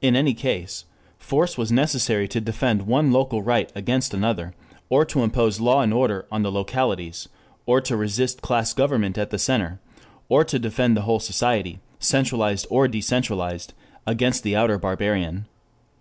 In any case force was necessary to defend one local right against another, or to impose law and order on the localities, or to resist class government at the center, or to defend the whole society, centralized or decentralized, against the outer barbarian.